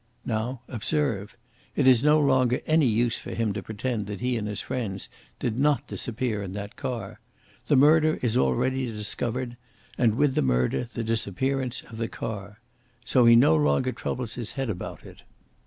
Now, observe! It is no longer any use for him to pretend that he and his friends did not disappear in that car. The murder is already discovered, and with the murder the disappearance of the car. So he no longer troubles his head about it.